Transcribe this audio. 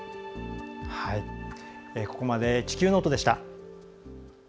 ここまで「地球ノート」でした。